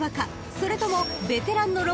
［それともベテランの６歳馬か］